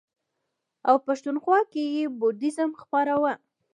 او پښتونخوا کې یې بودیزم خپراوه.